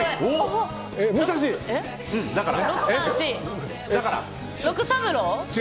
だから？